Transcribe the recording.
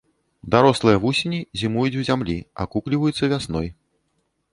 Дарослыя вусені зімуюць у зямлі, акукліваюцца вясной.